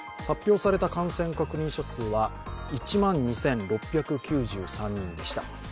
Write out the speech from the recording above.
発表された感染確認者数は１万２６９３人でした。